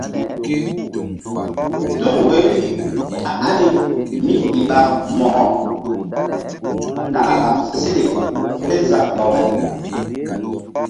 Tul woiri ka̧h ani kémíi ɓa Mo̧ko nah láɓ seɗe kézabaway.